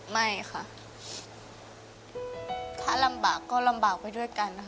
ไม่ค่ะถ้าลำบากก็ลำบากไปด้วยกันนะคะ